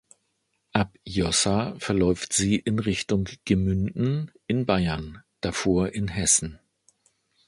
Ab Jossa verläuft sie in Richtung Gemünden in Bayern, davor in Hessen.